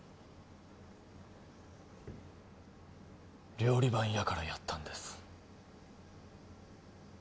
料理番やからやったんです